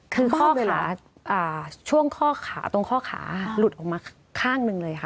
คือช่วงข้าลุดออกมาข้างหนึ่งเลยค่ะ